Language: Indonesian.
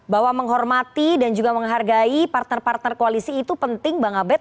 bahwa menghormati dan juga menghargai partner partner koalisi itu penting bang abed